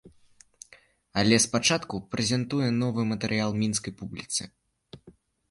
Але спачатку прэзентуе новы матэрыял мінскай публіцы.